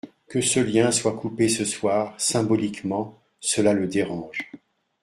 Que ce lien soit coupé ce soir, symboliquement, cela le dérange.